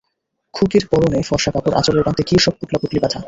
খুকির পরনে ফরসা কাপড়, আঁচলের প্রান্তে কি সব পোটলা-পুটলি বাঁধা।